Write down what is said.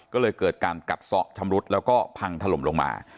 ก็เลยเกิดการกัดซะชำรุดแล้วก็พังถล่มลงมา